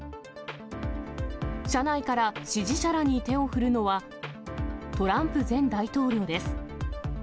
車内から支持者らに手を振るのは、トランプ前大統領です。